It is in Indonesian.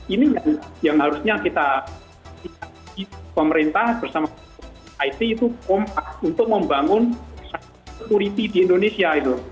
ini yang harusnya kita pemerintah bersama it itu untuk membangun security di indonesia